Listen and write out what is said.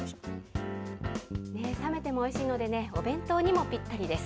冷めてもおいしいのでね、お弁当にもぴったりです。